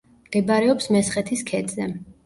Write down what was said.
მდებარეობს მესხეთის ქედზე.